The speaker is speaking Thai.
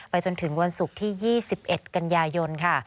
จนถึงวันศุกร์ที่๒๑กันยายนค่ะ